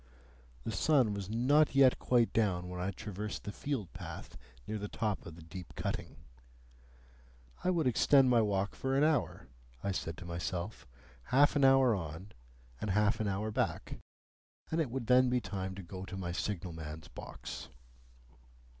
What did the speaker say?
The sun was not yet quite down when I traversed the field path near the top of the deep cutting. I would extend my walk for an hour, I said to myself, half an hour on and half an hour back, and it would then be time to go to my signal man's box.